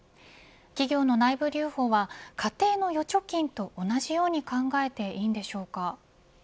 企業の内部留保は家庭の預貯金と同じように考えていいのでしょうか。